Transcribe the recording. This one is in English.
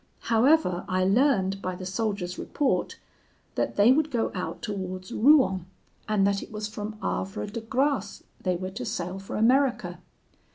However, I learned, by the soldier's report, that they would go out towards Rouen, and that it was from Havre de Grace they were to sail for America.